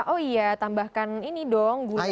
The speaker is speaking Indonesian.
oh iya tambahkan ini dong